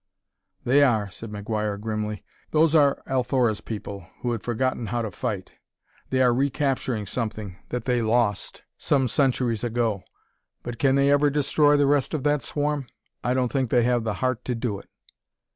"They are," said McGuire grimly. "Those are Althora's people who had forgotten how to fight; they are recapturing something that they lost some centuries ago. But can they ever destroy the rest of that swarm? I don't think they have the heart to do it."